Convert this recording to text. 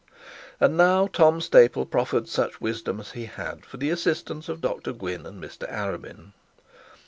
And now Tom Staple proffered such wisdom as he had for the assistance of Dr Gwynne and Mr Arabin.